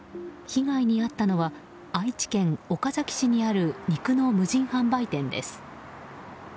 被害に遭ったのは愛知県岡崎市にある肉の無人販売店です。